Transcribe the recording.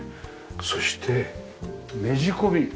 そしてねじ込み。